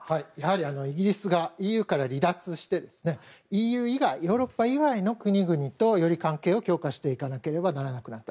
イギリスがＥＵから離脱してＥＵ以外ヨーロッパ以外の国々とより関係を強化していかなければならなくなった。